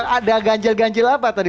ada ganjil ganjil apa tadi